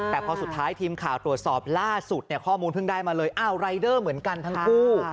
แต่พอสุดท้ายทีมข่าวตรวจสอบล่าสุดเนี่ยข้อมูลเพิ่งได้มาเลยอ้าวรายเดอร์เหมือนกันทั้งคู่